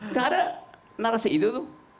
nggak ada narasi itu tuh